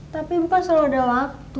tapi bukan selalu ada waktu